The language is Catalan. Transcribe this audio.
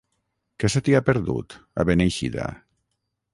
Què se t'hi ha perdut, a Beneixida?